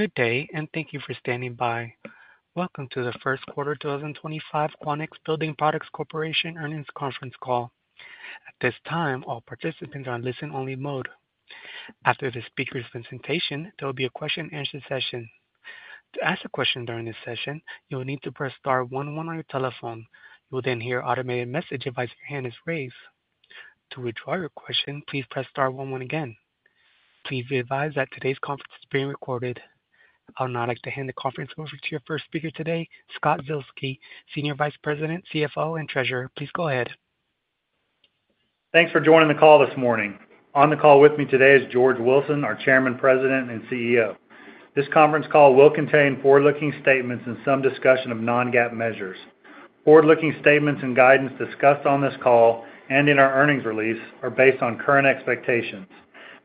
Good day, and thank you for standing by. Welcome to the first quarter 2025 Quanex Building Products Corporation earnings conference call. At this time, all participants are in listen-only mode. After the speaker's presentation, there will be a question-and-answer session. To ask a question during this session, you will need to press star 11 on your telephone. You will then hear an automated message advise your hand is raised. To withdraw your question, please press star 11 again. Please be advised that today's conference is being recorded. I would now like to hand the conference over to your first speaker today, Scott Zuehlke, Senior Vice President, CFO, and Treasurer. Please go ahead. Thanks for joining the call this morning. On the call with me today is George Wilson, our Chairman, President, and CEO. This conference call will contain forward-looking statements and some discussion of non-GAAP measures. Forward-looking statements and guidance discussed on this call and in our earnings release are based on current expectations.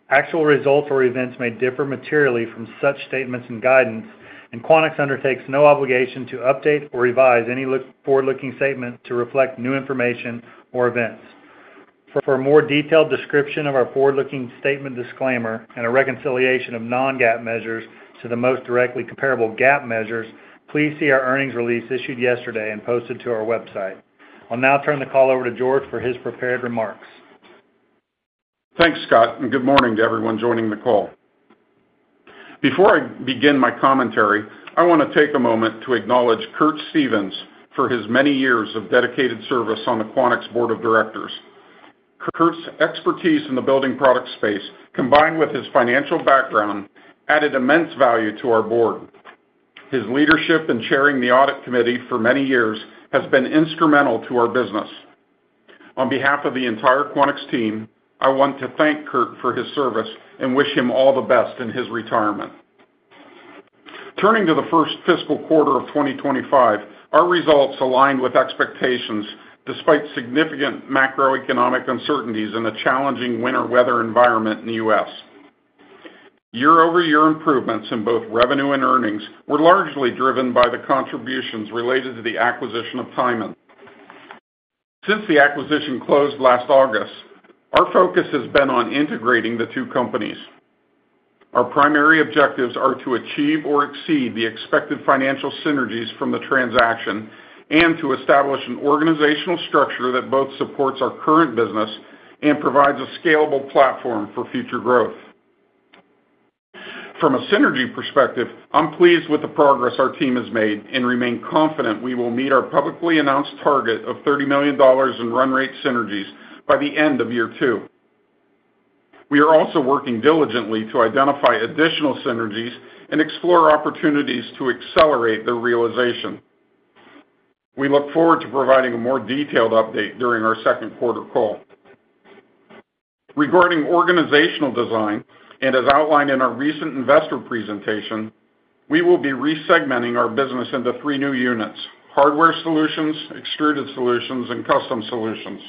Actual results or events may differ materially from such statements and guidance, and Quanex undertakes no obligation to update or revise any forward-looking statement to reflect new information or events. For a more detailed description of our forward-looking statement disclaimer and a reconciliation of non-GAAP measures to the most directly comparable GAAP measures, please see our earnings release issued yesterday and posted to our website. I'll now turn the call over to George for his prepared remarks. Thanks, Scott, and good morning to everyone joining the call. Before I begin my commentary, I want to take a moment to acknowledge Curt Stevens for his many years of dedicated service on the Quanex Board of Directors. Curt's expertise in the building product space, combined with his financial background, added immense value to our board. His leadership in chairing the audit committee for many years has been instrumental to our business. On behalf of the entire Quanex team, I want to thank Curt for his service and wish him all the best in his retirement. Turning to the first fiscal quarter of 2025, our results aligned with expectations despite significant macroeconomic uncertainties and a challenging winter weather environment in the U.S. Year-over-year improvements in both revenue and earnings were largely driven by the contributions related to the acquisition of Tyman. Since the acquisition closed last August, our focus has been on integrating the two companies. Our primary objectives are to achieve or exceed the expected financial synergies from the transaction and to establish an organizational structure that both supports our current business and provides a scalable platform for future growth. From a synergy perspective, I'm pleased with the progress our team has made and remain confident we will meet our publicly announced target of $30 million in run rate synergies by the end of year two. We are also working diligently to identify additional synergies and explore opportunities to accelerate their realization. We look forward to providing a more detailed update during our second quarter call. Regarding organizational design, and as outlined in our recent investor presentation, we will be resegmenting our business into three new units: Hardware Solutions, Extruded Solutions, and Custom Solutions.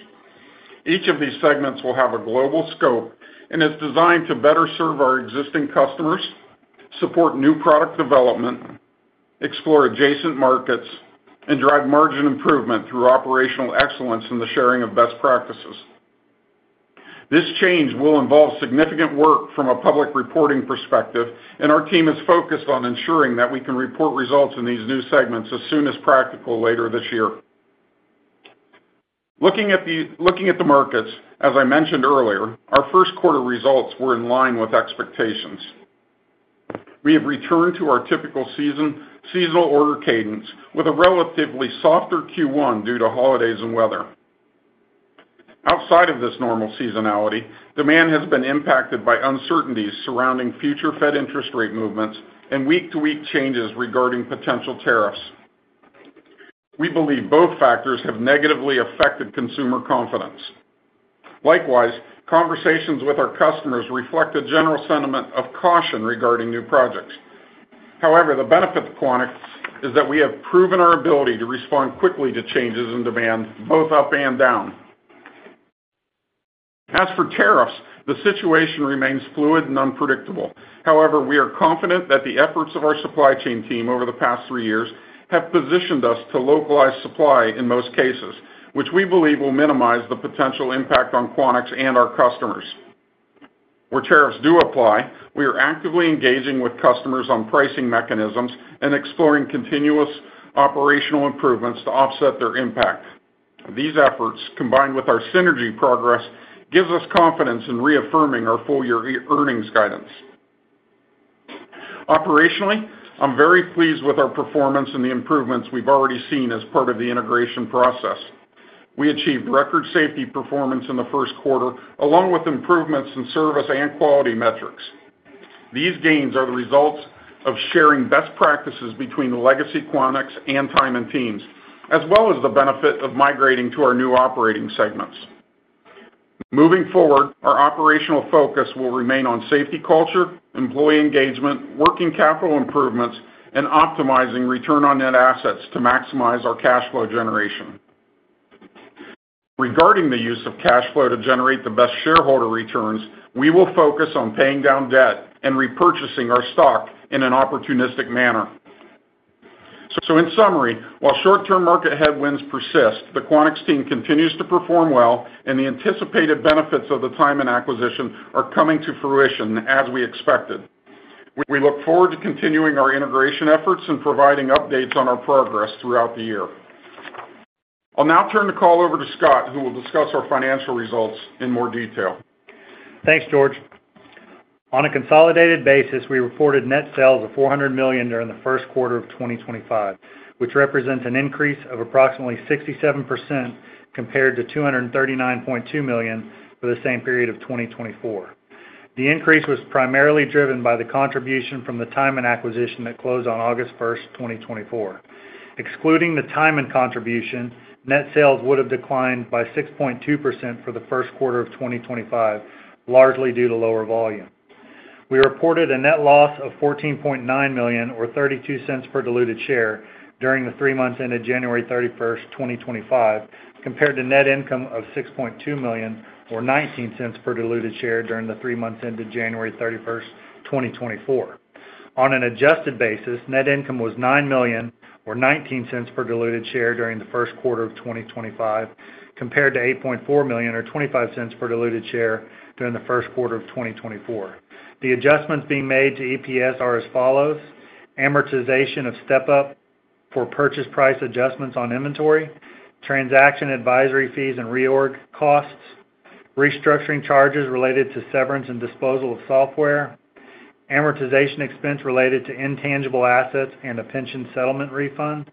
Each of these segments will have a global scope and is designed to better serve our existing customers, support new product development, explore adjacent markets, and drive margin improvement through operational excellence in the sharing of best practices. This change will involve significant work from a public reporting perspective, and our team is focused on ensuring that we can report results in these new segments as soon as practical later this year. Looking at the markets, as I mentioned earlier, our first quarter results were in line with expectations. We have returned to our typical seasonal order cadence with a relatively softer Q1 due to holidays and weather. Outside of this normal seasonality, demand has been impacted by uncertainties surrounding future Fed interest rate movements and week-to-week changes regarding potential tariffs. We believe both factors have negatively affected consumer confidence. Likewise, conversations with our customers reflect a general sentiment of caution regarding new projects. However, the benefit of Quanex is that we have proven our ability to respond quickly to changes in demand, both up and down. As for tariffs, the situation remains fluid and unpredictable. However, we are confident that the efforts of our supply chain team over the past three years have positioned us to localize supply in most cases, which we believe will minimize the potential impact on Quanex and our customers. Where tariffs do apply, we are actively engaging with customers on pricing mechanisms and exploring continuous operational improvements to offset their impact. These efforts, combined with our synergy progress, give us confidence in reaffirming our full-year earnings guidance. Operationally, I'm very pleased with our performance and the improvements we've already seen as part of the integration process. We achieved record safety performance in the first quarter, along with improvements in service and quality metrics. These gains are the results of sharing best practices between the legacy Quanex and Tyman teams, as well as the benefit of migrating to our new operating segments. Moving forward, our operational focus will remain on safety culture, employee engagement, working capital improvements, and optimizing return on net assets to maximize our cash flow generation. Regarding the use of cash flow to generate the best shareholder returns, we will focus on paying down debt and repurchasing our stock in an opportunistic manner. In summary, while short-term market headwinds persist, the Quanex team continues to perform well, and the anticipated benefits of the Tyman acquisition are coming to fruition as we expected. We look forward to continuing our integration efforts and providing updates on our progress throughout the year. I'll now turn the call over to Scott, who will discuss our financial results in more detail. Thanks, George. On a consolidated basis, we reported net sales of $400 million during the first quarter of 2025, which represents an increase of approximately 67% compared to $239.2 million for the same period of 2024. The increase was primarily driven by the contribution from the Tyman acquisition that closed on August 1st, 2024. Excluding the Tyman contribution, net sales would have declined by 6.2% for the first quarter of 2025, largely due to lower volume. We reported a net loss of $14.9 million, or $0.32 per diluted share, during the three months ended January 31st, 2025, compared to net income of $6.2 million, or $0.19 per diluted share, during the three months ended January 31st, 2024. On an adjusted basis, net income was $9 million, or $0.19 per diluted share during the first quarter of 2025, compared to $8.4 million, or $0.25 per diluted share during the first quarter of 2024. The adjustments being made to EPS are as follows: amortization of step-up for purchase price adjustments on inventory, transaction advisory fees and reorg costs, restructuring charges related to severance and disposal of software, amortization expense related to intangible assets and a pension settlement refund,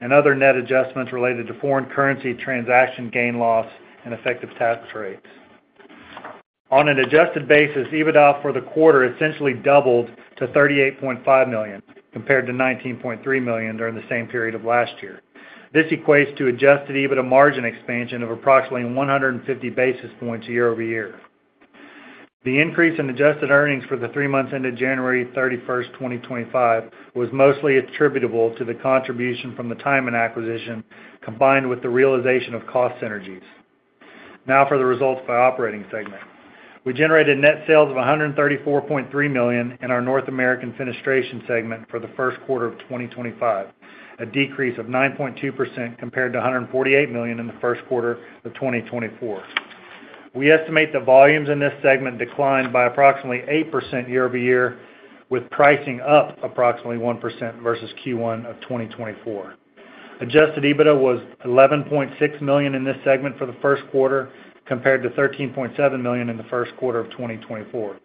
and other net adjustments related to foreign currency transaction gain loss, and effective tax rates. On an adjusted basis, EBITDA for the quarter essentially doubled to $38.5 million compared to $19.3 million during the same period of last year. This equates to adjusted EBITDA margin expansion of approximately 150 basis points year-over-year. The increase in adjusted earnings for the three months ended January 31st, 2025, was mostly attributable to the contribution from the Tyman acquisition, combined with the realization of cost synergies. Now for the results by operating segment. We generated net sales of $134.3 million in our North American fenestration segment for the first quarter of 2025, a decrease of 9.2% compared to $148 million in the first quarter of 2024. We estimate the volumes in this segment declined by approximately 8% year-over-year, with pricing up approximately 1% versus Q1 of 2024. Adjusted EBITDA was $11.6 million in this segment for the first quarter compared to $13.7 million in the first quarter of 2024.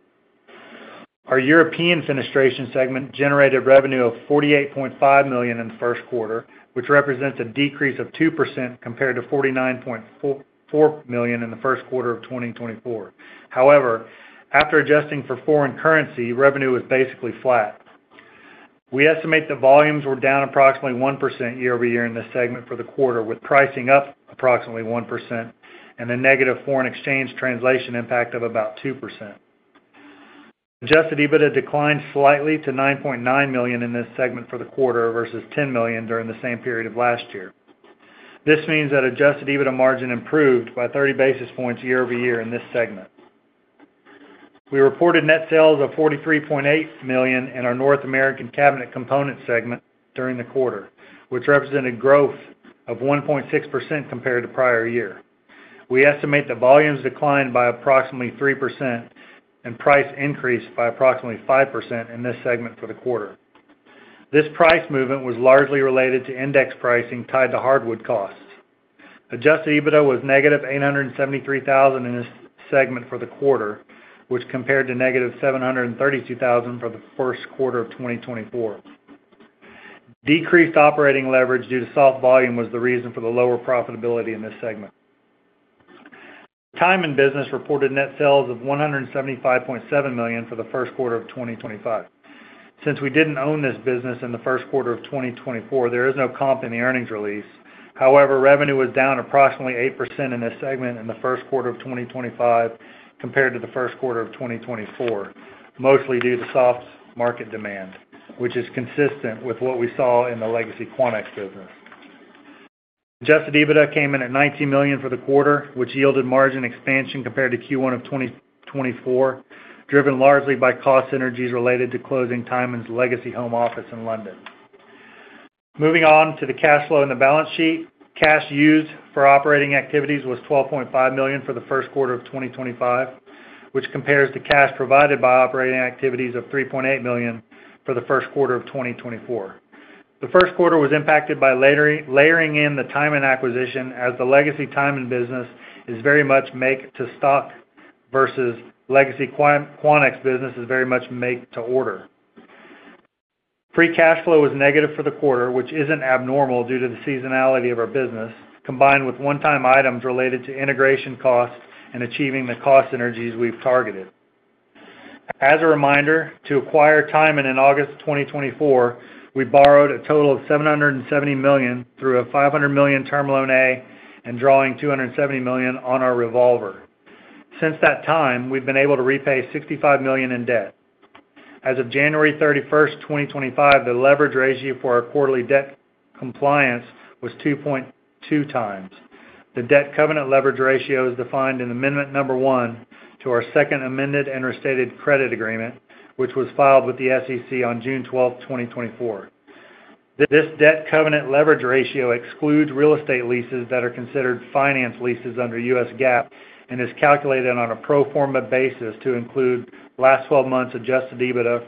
Our European fenestration segment generated revenue of $48.5 million in the first quarter, which represents a decrease of 2% compared to $49.4 million in the first quarter of 2024. However, after adjusting for foreign currency, revenue was basically flat. We estimate the volumes were down approximately 1% year-over-year in this segment for the quarter, with pricing up approximately 1% and a negative foreign exchange translation impact of about 2%. Adjusted EBITDA declined slightly to $9.9 million in this segment for the quarter versus $10 million during the same period of last year. This means that adjusted EBITDA margin improved by 30 basis points year-over-year in this segment. We reported net sales of $43.8 million in our North American cabinet components segment during the quarter, which represented growth of 1.6% compared to prior year. We estimate the volumes declined by approximately 3% and price increased by approximately 5% in this segment for the quarter. This price movement was largely related to index pricing tied to hardwood costs. Adjusted EBITDA was negative $873,000 in this segment for the quarter, which compared to negative $732,000 for the first quarter of 2024. Decreased operating leverage due to soft volume was the reason for the lower profitability in this segment. Tyman business reported net sales of $175.7 million for the first quarter of 2025. Since we did not own this business in the first quarter of 2024, there is no comp in the earnings release. However, revenue was down approximately 8% in this segment in the first quarter of 2025 compared to the first quarter of 2024, mostly due to soft market demand, which is consistent with what we saw in the legacy Quanex business. Adjusted EBITDA came in at $19 million for the quarter, which yielded margin expansion compared to Q1 of 2024, driven largely by cost synergies related to closing Tyman's legacy home office in London. Moving on to the cash flow in the balance sheet, cash used for operating activities was $12.5 million for the first quarter of 2025, which compares to cash provided by operating activities of $3.8 million for the first quarter of 2024. The first quarter was impacted by layering in the Tyman acquisition, as the legacy Tyman business is very much make-to-stock versus legacy Quanex business is very much make-to-order. Free cash flow was negative for the quarter, which isn't abnormal due to the seasonality of our business, combined with one-time items related to integration costs and achieving the cost synergies we've targeted. As a reminder, to acquire Tyman in August 2024, we borrowed a total of $770 million through a $500 million term loan A and drawing $270 million on our revolver. Since that time, we've been able to repay $65 million in debt. As of January 31st, 2025, the leverage ratio for our quarterly debt compliance was 2.2x. The debt covenant leverage ratio is defined in Amendment Number 1 to our Second Amended and Restated Credit Agreement, which was filed with the SEC on June 12, 2024. This debt covenant leverage ratio excludes real estate leases that are considered finance leases under U.S. GAAP and is calculated on a pro forma basis to include last 12 months adjusted EBITDA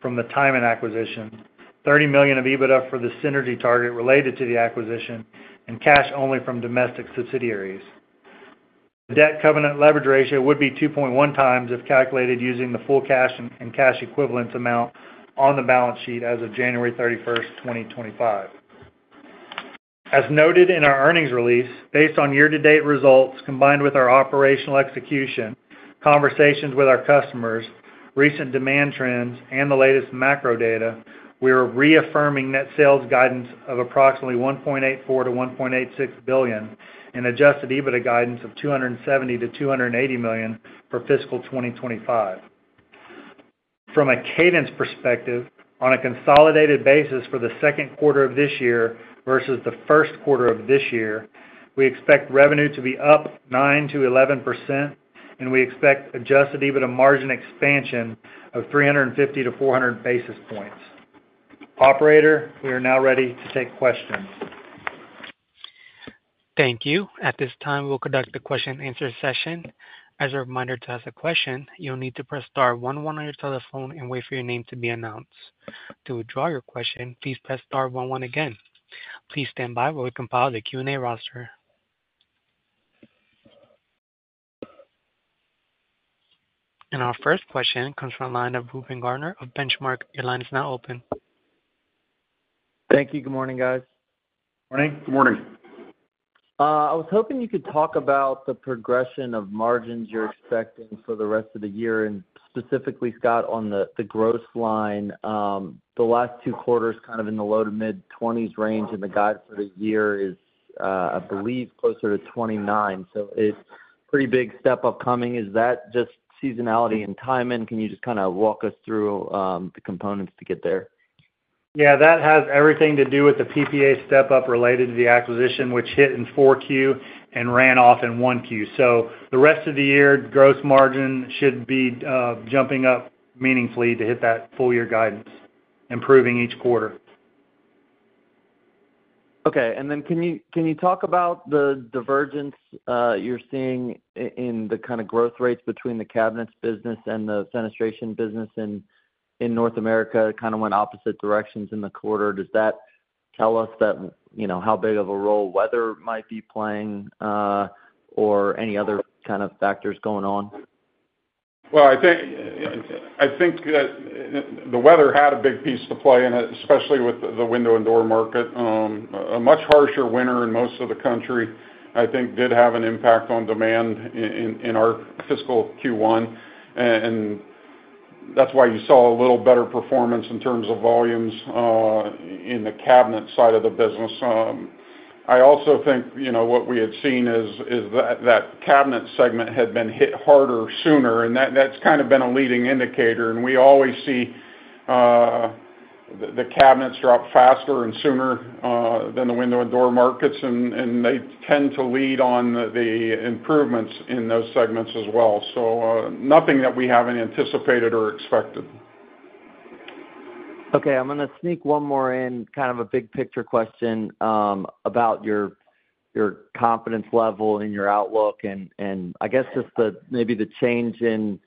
from the Tyman acquisition, $30 million of EBITDA for the synergy target related to the acquisition, and cash only from domestic subsidiaries. The debt covenant leverage ratio would be 2.1x if calculated using the full cash and cash equivalence amount on the balance sheet as of January 31st, 2025. As noted in our earnings release, based on year-to-date results combined with our operational execution, conversations with our customers, recent demand trends, and the latest macro data, we are reaffirming net sales guidance of approximately $1.84 billion-$1.86 billion and adjusted EBITDA guidance of $270 million-$280 million for fiscal 2025. From a cadence perspective, on a consolidated basis for the second quarter of this year versus the first quarter of this year, we expect revenue to be up 9%-11%, and we expect adjusted EBITDA margin expansion of 350-400 basis points. Operator, we are now ready to take questions. Thank you. At this time, we'll conduct the question-and-answer session. As a reminder to ask a question, you'll need to press star 11 on your telephone and wait for your name to be announced. To withdraw your question, please press star 11 again. Please stand by while we compile the Q&A roster. Our first question comes from the line of Reuben Garner of Benchmark. Your line is now open. Thank you. Good morning, guys. Morning. Good morning. I was hoping you could talk about the progression of margins you're expecting for the rest of the year, and specifically, Scott, on the gross line. The last two quarters kind of in the low to mid-20% range, and the guide for the year is, I believe, closer to 29%. It is a pretty big step-up coming. Is that just seasonality and timing? Can you just kind of walk us through the components to get there? Yeah, that has everything to do with the PPA step-up related to the acquisition, which hit in 4Q and ran off in 1Q. The rest of the year, gross margin should be jumping up meaningfully to hit that full-year guidance, improving each quarter. Okay. Can you talk about the divergence you're seeing in the kind of growth rates between the cabinets business and the fenestration business in North America? Kind of went opposite directions in the quarter. Does that tell us how big of a role weather might be playing or any other kind of factors going on? I think the weather had a big piece to play, especially with the window and door market. A much harsher winter in most of the country, I think, did have an impact on demand in our fiscal Q1. That is why you saw a little better performance in terms of volumes in the cabinet side of the business. I also think what we had seen is that cabinet segment had been hit harder sooner, and that is kind of been a leading indicator. We always see the cabinets drop faster and sooner than the window and door markets, and they tend to lead on the improvements in those segments as well. Nothing that we have not anticipated or expected. Okay. I'm going to sneak one more in, kind of a big-picture question about your confidence level and your outlook, and I guess just maybe the change in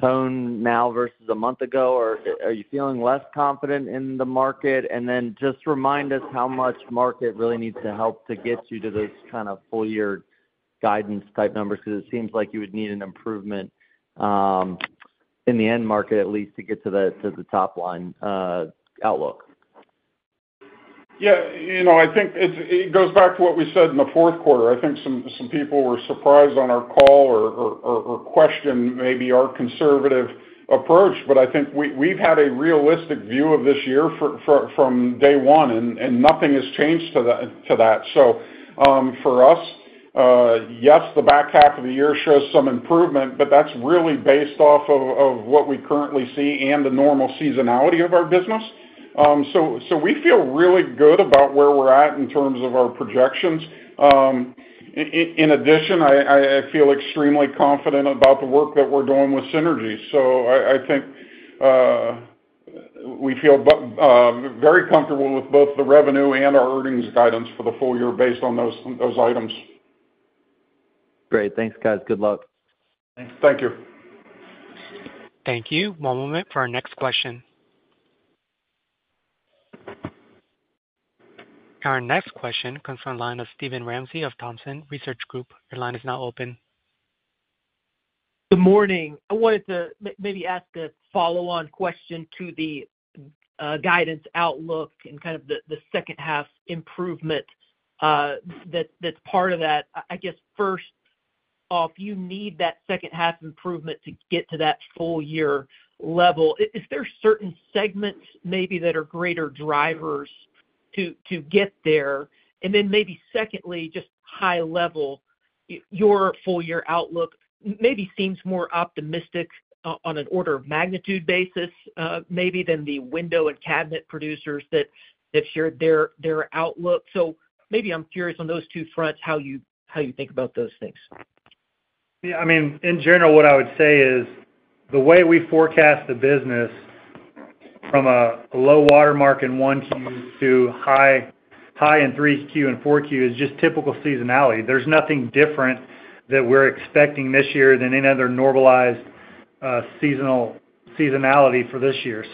tone now versus a month ago. Are you feeling less confident in the market? And then just remind us how much market really needs to help to get you to those kind of full-year guidance-type numbers because it seems like you would need an improvement in the end market at least to get to the top-line outlook. Yeah. I think it goes back to what we said in the fourth quarter. I think some people were surprised on our call or questioned maybe our conservative approach, but I think we've had a realistic view of this year from day one, and nothing has changed to that. For us, yes, the back half of the year shows some improvement, but that's really based off of what we currently see and the normal seasonality of our business. We feel really good about where we're at in terms of our projections. In addition, I feel extremely confident about the work that we're doing with synergy. I think we feel very comfortable with both the revenue and our earnings guidance for the full year based on those items. Great. Thanks, guys. Good luck. Thank you. Thank you. One moment for our next question. Our next question comes from Steven Ramsey of Thompson Research Group. Your line is now open. Good morning. I wanted to maybe ask a follow-on question to the guidance outlook and kind of the second-half improvement that's part of that. I guess first off, you need that second-half improvement to get to that full-year level. Is there certain segments maybe that are greater drivers to get there? Then maybe secondly, just high-level, your full-year outlook maybe seems more optimistic on an order of magnitude basis maybe than the window and cabinet producers that have shared their outlook. Maybe I'm curious on those two fronts how you think about those things. Yeah. I mean, in general, what I would say is the way we forecast the business from a low watermark in 1Q to high in 3Q and 4Q is just typical seasonality. There is nothing different that we are expecting this year than any other normalized seasonality for this year.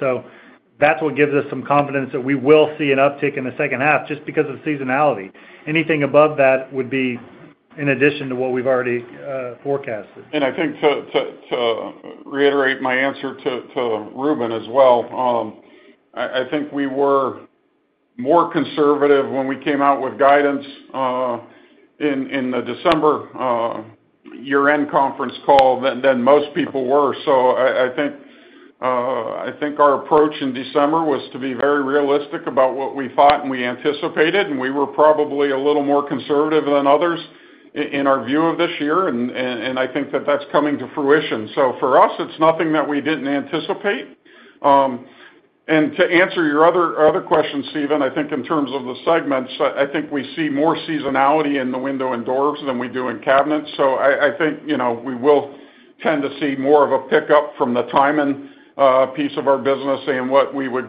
That is what gives us some confidence that we will see an uptick in the second half just because of seasonality. Anything above that would be in addition to what we have already forecasted. I think to reiterate my answer to Reuben as well, I think we were more conservative when we came out with guidance in the December year-end conference call than most people were. I think our approach in December was to be very realistic about what we thought and we anticipated, and we were probably a little more conservative than others in our view of this year, and I think that is coming to fruition. For us, it is nothing that we did not anticipate. To answer your other question, Steven, I think in terms of the segments, I think we see more seasonality in the window and doors than we do in cabinets. I think we will tend to see more of a pickup from the Tyman piece of our business and what we would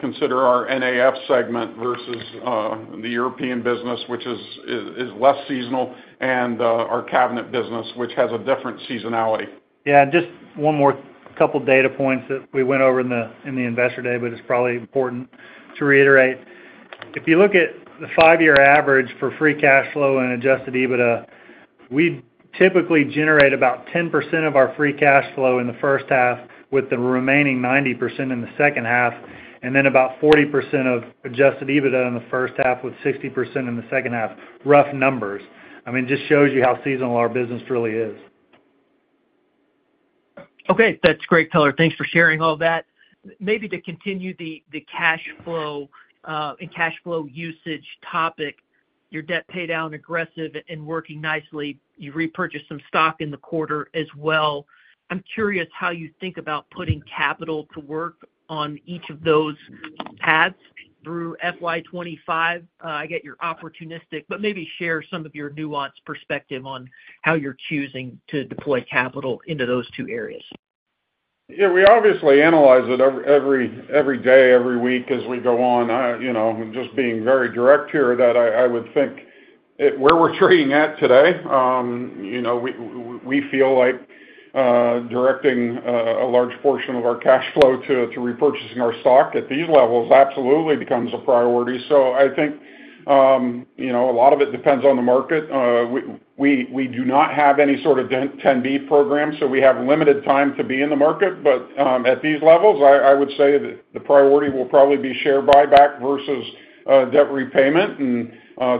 consider our NAF segment versus the European business, which is less seasonal, and our cabinet business, which has a different seasonality. Yeah. Just one more couple of data points that we went over in the investor day, but it's probably important to reiterate. If you look at the five-year average for free cash flow and adjusted EBITDA, we typically generate about 10% of our free cash flow in the first half with the remaining 90% in the second half, and then about 40% of adjusted EBITDA in the first half with 60% in the second half. Rough numbers. I mean, it just shows you how seasonal our business really is. Okay. That's great color. Thanks for sharing all that. Maybe to continue the cash flow and cash flow usage topic, your debt pay down aggressive and working nicely. You repurchased some stock in the quarter as well. I'm curious how you think about putting capital to work on each of those paths through FY25. I get you're opportunistic, but maybe share some of your nuanced perspective on how you're choosing to deploy capital into those two areas. Yeah. We obviously analyze it every day, every week as we go on. Just being very direct here, that I would think where we're trading at today, we feel like directing a large portion of our cash flow to repurchasing our stock at these levels absolutely becomes a priority. I think a lot of it depends on the market. We do not have any sort of 10B program, so we have limited time to be in the market. At these levels, I would say the priority will probably be share buyback versus debt repayment.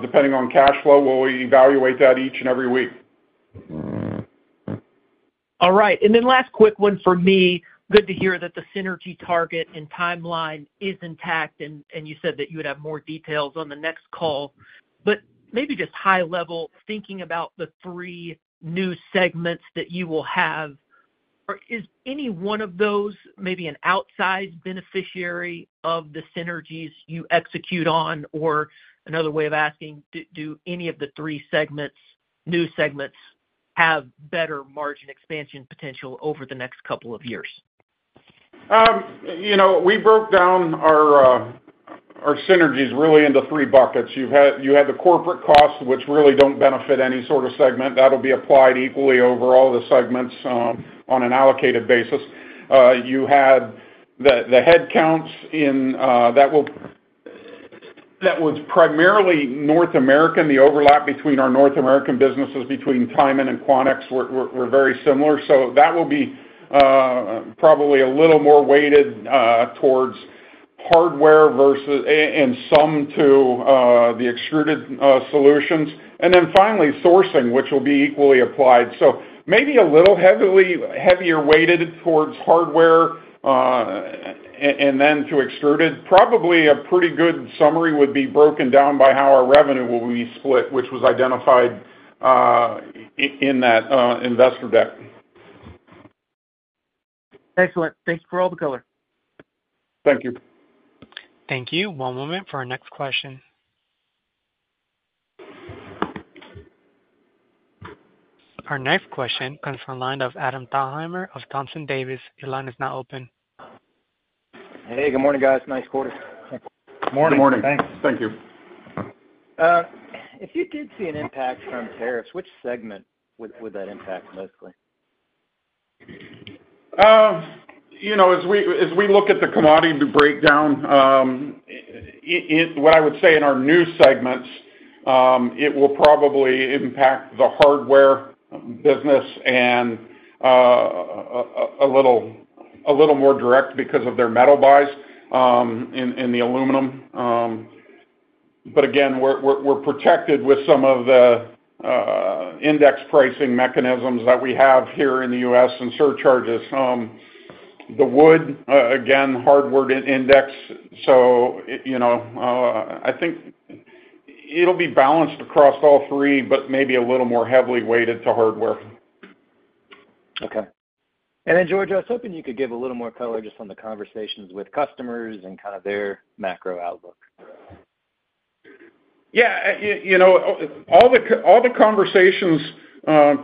Depending on cash flow, we'll evaluate that each and every week. All right. Last quick one for me. Good to hear that the synergy target and timeline is intact, and you said that you would have more details on the next call. Maybe just high-level thinking about the three new segments that you will have, is any one of those maybe an outsized beneficiary of the synergies you execute on? Another way of asking, do any of the three new segments have better margin expansion potential over the next couple of years? We broke down our synergies really into three buckets. You had the corporate costs, which really do not benefit any sort of segment. That will be applied equally over all the segments on an allocated basis. You had the head counts that was primarily North American. The overlap between our North American businesses between Tyman and Quanex were very similar. That will be probably a little more weighted towards hardware and some to the extruded solutions. Finally, sourcing, which will be equally applied. Maybe a little heavier weighted towards hardware and then to extruded. Probably a pretty good summary would be broken down by how our revenue will be split, which was identified in that investor deck. Excellent. Thank you for all the color. Thank you. Thank you. One moment for our next question. Our next question comes from Adam Thalhimer of Thompson Davis. Your line is now open. Hey. Good morning, guys. Nice quarter. Good morning. Good morning. Thanks. Thank you. If you did see an impact from tariffs, which segment would that impact mostly? As we look at the commodity breakdown, what I would say in our new segments, it will probably impact the hardware business a little more direct because of their metal buys in the aluminum. Again, we're protected with some of the index pricing mechanisms that we have here in the U.S. and surcharges. The wood, again, hardware index. I think it'll be balanced across all three, but maybe a little more heavily weighted to hardware. Okay. George, I was hoping you could give a little more color just on the conversations with customers and kind of their macro outlook. Yeah. All the conversations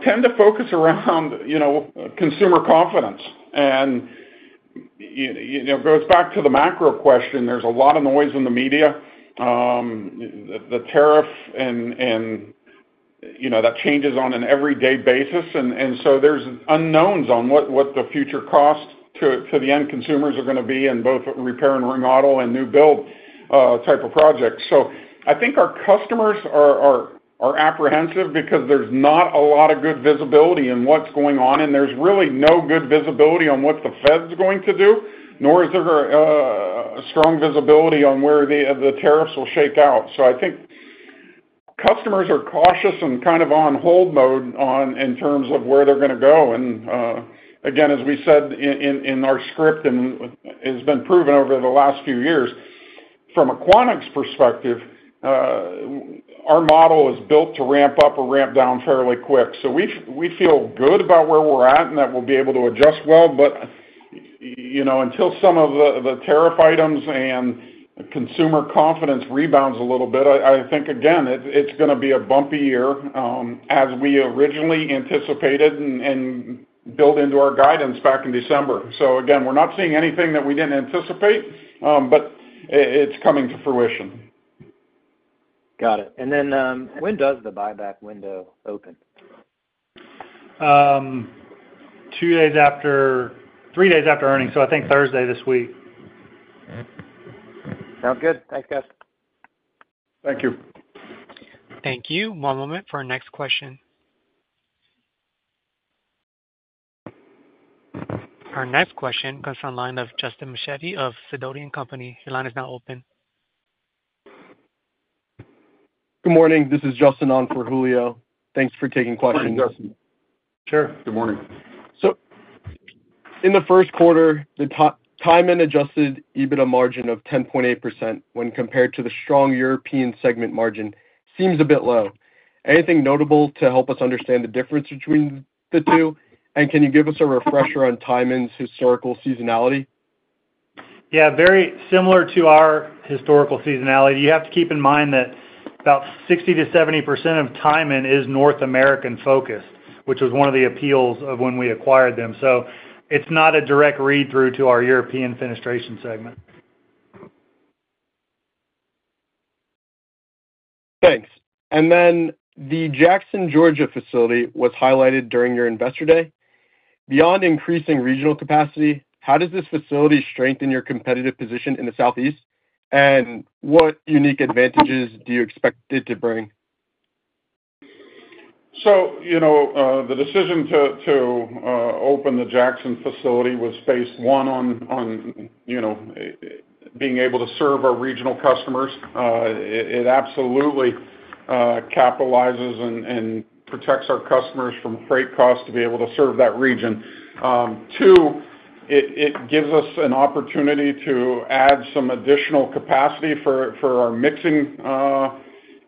tend to focus around consumer confidence. It goes back to the macro question. There's a lot of noise in the media, the tariff, and that changes on an everyday basis. There are unknowns on what the future costs to the end consumers are going to be in both repair and remodel and new build type of projects. I think our customers are apprehensive because there's not a lot of good visibility in what's going on. There's really no good visibility on what the Fed's going to do, nor is there a strong visibility on where the tariffs will shake out. I think customers are cautious and kind of on hold mode in terms of where they're going to go. As we said in our script, and it has been proven over the last few years, from a Quanex perspective, our model is built to ramp up or ramp down fairly quick. We feel good about where we are at and that we will be able to adjust well. Until some of the tariff items and consumer confidence rebounds a little bit, I think it is going to be a bumpy year as we originally anticipated and built into our guidance back in December. We are not seeing anything that we did not anticipate, but it is coming to fruition. Got it. When does the buyback window open? Three days after earnings, so I think Thursday this week. Sounds good. Thanks, guys. Thank you. Thank you. One moment for our next question. Our next question comes from Justin Mechetti of Sidoti & Company. Your line is now open. Good morning. This is Justin on for Julio. Thanks for taking questions. Morning, Justin. Sure. Good morning. In the first quarter, the Tyman adjusted EBITDA margin of 10.8% when compared to the strong European segment margin seems a bit low. Anything notable to help us understand the difference between the two? Can you give us a refresher on Tyman's historical seasonality? Yeah. Very similar to our historical seasonality. You have to keep in mind that about 60%-70% of Tyman is North American focused, which was one of the appeals of when we acquired them. It is not a direct read-through to our European fenestration segment. Thanks. The Jackson, Georgia facility was highlighted during your investor day. Beyond increasing regional capacity, how does this facility strengthen your competitive position in the Southeast? What unique advantages do you expect it to bring? The decision to open the Jackson facility was phase I on being able to serve our regional customers. It absolutely capitalizes and protects our customers from freight costs to be able to serve that region. Two, it gives us an opportunity to add some additional capacity for our mixing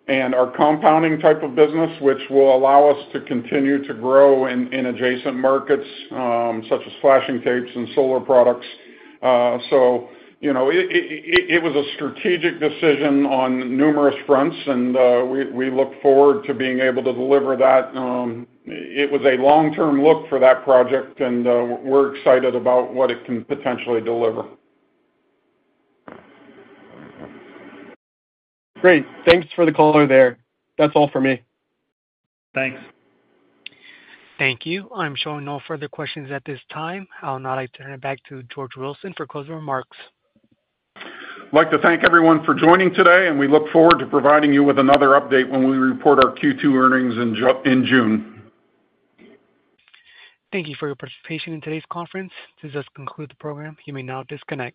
and our compounding type of business, which will allow us to continue to grow in adjacent markets such as flashing tapes and solar products. It was a strategic decision on numerous fronts, and we look forward to being able to deliver that. It was a long-term look for that project, and we're excited about what it can potentially deliver. Great. Thanks for the color there. That's all for me. Thanks. Thank you. I'm showing no further questions at this time. I'll now like to turn it back to George Wilson for closing remarks. I'd like to thank everyone for joining today, and we look forward to providing you with another update when we report our Q2 earnings in June. Thank you for your participation in today's conference. This does conclude the program. You may now disconnect.